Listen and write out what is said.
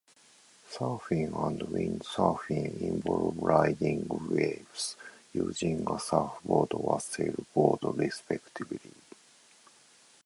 Surfing and windsurfing involve riding waves using a surfboard or sailboard respectively.